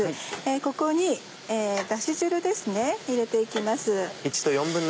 ここにだし汁ですね入れて行きます。